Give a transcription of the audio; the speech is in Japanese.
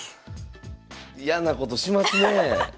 嫌なことしますねえ。